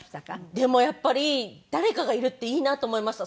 でもやっぱり誰かがいるっていいなと思いました。